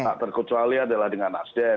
tak terkecuali adalah dengan nasdem